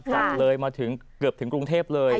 จัดเลยมาถึงเกือบถึงกรุงเทพเลย